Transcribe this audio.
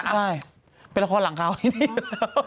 ใช่เป็นละครหลังข่าวนี้เนี่ย